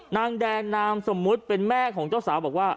นางแดงนามสมมุติเป็นแม่ของเจ้าสาวบอกว่า